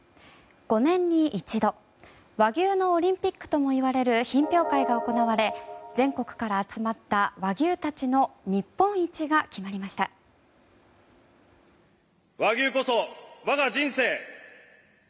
５年に一度和牛のオリンピックともいわれる品評会が行われ全国から集まった和牛たちの日本一が決まりました。